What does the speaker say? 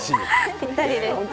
ぴったりです。